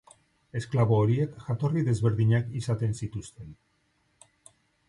Esklabo horiek jatorri desberdinak izaten zituzten.